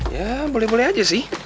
ya boleh boleh aja sih